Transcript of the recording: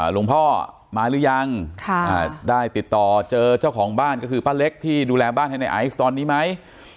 หลวงพ่อมาหรือยังได้ติดต่อเจอเจ้าของบ้านก็คือป้าเล็กที่ดูแลบ้านให้ในไอซ์ตอนนี้ไหม